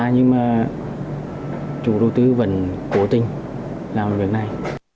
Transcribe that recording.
nhưng mà chủ đầu tư vẫn cố tình làm việc này